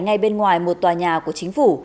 ngay bên ngoài một tòa nhà của chính phủ